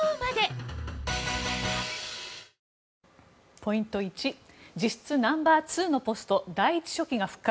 ポイント１実質ナンバー２のポスト第１書記が復活。